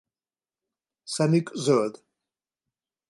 Szemük zöld.